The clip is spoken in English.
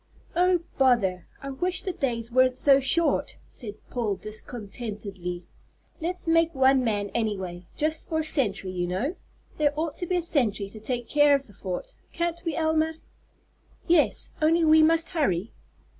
"Oh, bother! I wish the days weren't so short," said Paul discontentedly. "Let's make one man, any way; just for a sentry, you know. There ought to be a sentry to take care of the fort. Can't we, Elma?" "Yes only we must hurry."